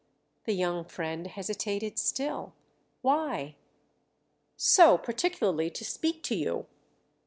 The young friend hesitated still. "'Why '?" "So particularly to speak to you."